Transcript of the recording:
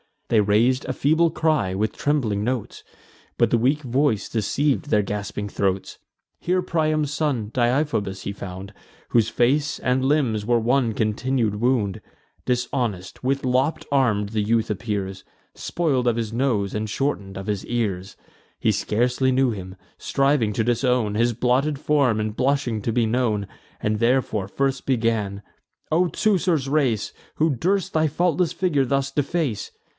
They rais'd a feeble cry, with trembling notes; But the weak voice deceiv'd their gasping throats. Here Priam's son, Deiphobus, he found, Whose face and limbs were one continued wound: Dishonest, with lopp'd arms, the youth appears, Spoil'd of his nose, and shorten'd of his ears. He scarcely knew him, striving to disown His blotted form, and blushing to be known; And therefore first began: "O Teucer's race, Who durst thy faultless figure thus deface?